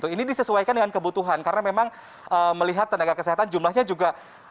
ini disesuaikan dengan kebutuhan karena memang melihat tenaga kesehatan jumlahnya juga